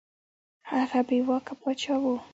هغه بې واکه پاچا وو.